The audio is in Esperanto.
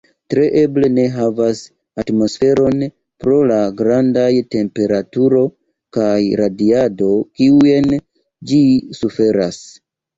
Tre eble ne havas atmosferon pro la grandaj temperaturo kaj radiado kiujn ĝi suferas.